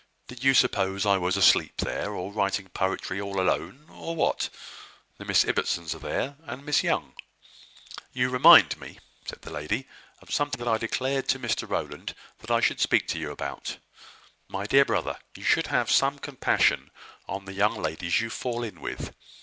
Did you suppose I was asleep there, or writing poetry all alone, or what? The Miss Ibbotsons are there, and Miss Young." "You remind me," said the lady, "of something that I declared to Mr Rowland that I would speak to you about. My dear brother, you should have some compassion on the young ladies you fall in with."